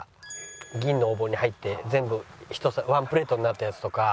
銀のお盆に入って全部ワンプレートになったやつとか。